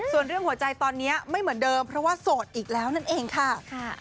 ส่วนเรื่องหัวใจตอนนี้ไม่เหมือนเดิมเพราะว่าโสดอีกแล้วนั่นเองค่ะ